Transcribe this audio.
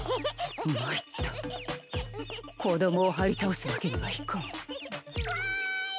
参った子供を張り倒すわけにはいかんわい！